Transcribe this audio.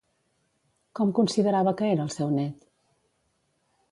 Com considerava que era el seu net?